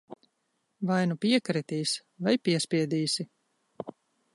Vai nu piekritīs, vai piespiedīsi.